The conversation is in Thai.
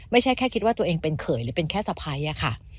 ไม่ใช่แค่คิดว่าตัวเองเป็นเขยหรือเป็นแค่สะพ้ายอะค่ะ